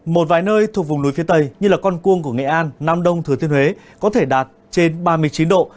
một vài nơi thuộc vùng núi phía tây như con cuông của nghệ an nam đông thừa thiên huế có thể đạt trên ba mươi chín độ